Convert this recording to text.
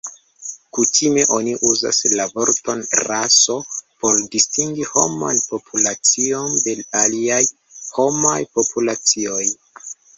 Kutime oni uzas la vorton 'raso' por distingi homan populacion de aliaj homaj populacioj.